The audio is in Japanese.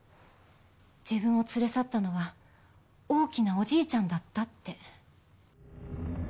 自分を連れ去ったのは大きなおじいちゃんだったって。